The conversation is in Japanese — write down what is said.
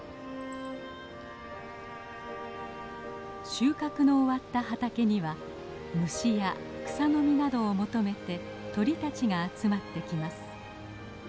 収穫の終わった畑には虫や草の実などを求めて鳥たちが集まってきます。